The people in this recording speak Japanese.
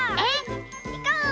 いこう！